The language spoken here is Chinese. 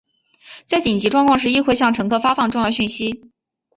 在紧急状况时亦会向乘客发放重要讯息。